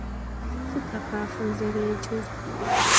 Sıt a khafem zerêcer?